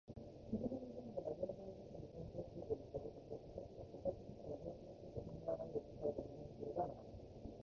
始めに現在が現在自身を限定するといった如く、形が形自身を限定すると考えられる世界でなければならない。